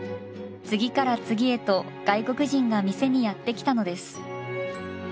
次から次へと外国人が店にやって来たのです。